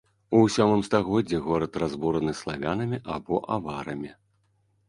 У сёмым стагоддзі горад разбураны славянамі або аварамі.